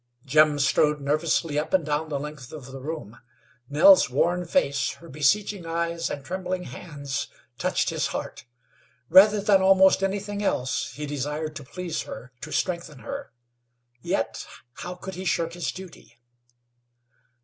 Jim strode nervously up and down the length of the room. Nell's worn face, her beseeching eyes and trembling hands touched his heart. Rather than almost anything else, he desired to please her, to strengthen her; yet how could he shirk his duty?